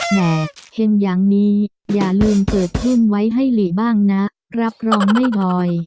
แหมเห็นอย่างนี้อย่าลืมเกิดขึ้นไว้ให้หลีบ้างนะรับรองไม่บอย